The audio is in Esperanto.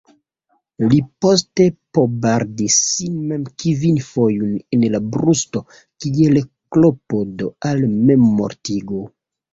Li poste pobardis sin mem kvin fojojn en la brusto kiel klopodo al memmortigo.